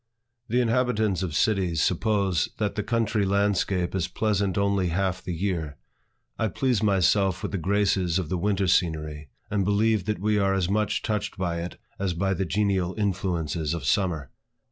The inhabitants of cities suppose that the country landscape is pleasant only half the year. I please myself with the graces of the winter scenery, and believe that we are as much touched by it as by the genial influences of summer.